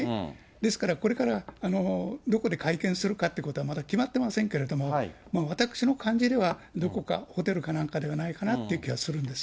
ですから、これからどこで会見するかってことは、まだ決まってませんけれども、私の感じでは、どこかホテルかなんかではないかなという気はするんです。